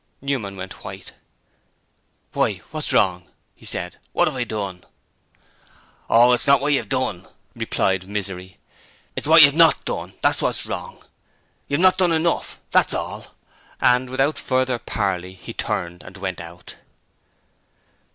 Newman went white. 'Why, what's wrong?' said he. 'What have I done?' 'Oh, it's not wot you've DONE,' replied Misery. 'It's wot you've not done. That's wot's wrong! You've not done enough, that's all!' And without further parley he turned and went out.